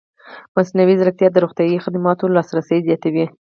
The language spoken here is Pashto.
مصنوعي ځیرکتیا د روغتیايي خدماتو لاسرسی زیاتوي.